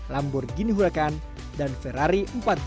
lamborghini huracan dan ferrari empat ratus delapan puluh delapan